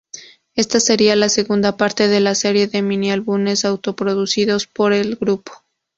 Ésta sería la segunda parte de la serie de mini-álbumes auto-producidos del grupo.